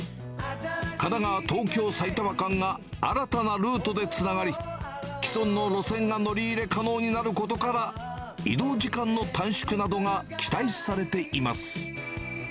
神奈川、東京、埼玉間が新たなルートでつながり、既存の路線が乗り入れ可能になることから、移動時間の短縮などが期待されています。